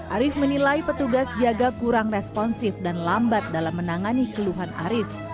arief menilai petugas jaga kurang responsif dan lambat dalam menangani keluhan arief